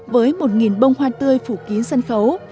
với một bông hoa tươi phủ kín sân khấu